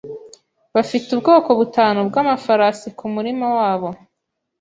Bafite ubwoko butanu bwamafarasi kumurima wabo.